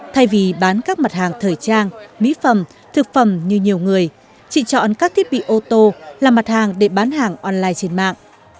thay vì bán các mặt hàng thời trang mỹ phẩm thực phẩm như nhiều người chị chọn các thiết bị ô tô làm mặt hàng để bán hàng online trên mạng